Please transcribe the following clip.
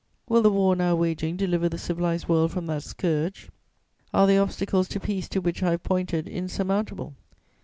Will the war now waging deliver the civilized world from that scourge? Are the obstacles to peace to which I have pointed insurmountable?